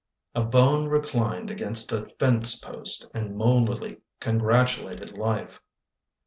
A bone reclined against a fence post And mouldily congratulated life.